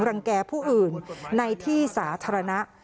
แก่ผู้อื่นในที่สาธารณะ